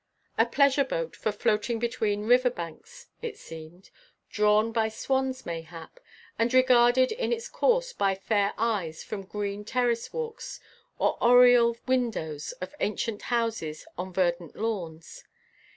A pleasure boat for floating between river banks it seemed, drawn by swans mayhap, and regarded in its course by fair eyes from green terrace walks, or oriel windows of ancient houses on verdant lawns.